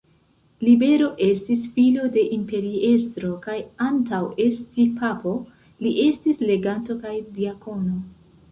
Libero estis filo de imperiestro kaj antaŭ esti papo, li estis leganto kaj diakono.